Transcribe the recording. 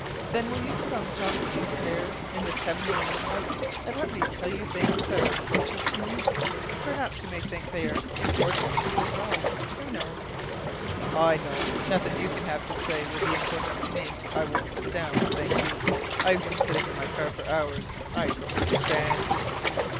Then will you sit on the top of these steps in this heavenly moonlight and let me tell you things that are important to me? Perhaps you may think they are important to you as well. Who knows?" "I know. Nothing you can have to say will be important to me. I won't sit down, thank you. I've been sitting in my car for hours. I prefer to stand."